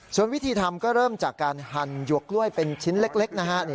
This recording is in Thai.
ส่วนวิธีทำก็เริ่มจากการหั่นหยวกกล้วยเป็นชิ้นเล็กนะฮะ